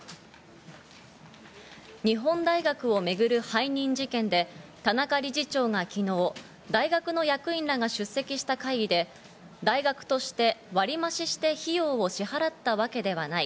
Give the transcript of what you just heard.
日本大学を巡る背任事件で田中理事長が昨日、大学の役員らが出席した会議で、大学として割増して費用を支払ったわけではない。